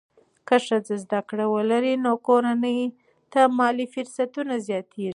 که ښځه زده کړه ولري، نو کورنۍ ته مالي فرصتونه زیاتېږي.